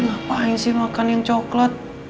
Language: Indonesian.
ngapain sih makan yang coklat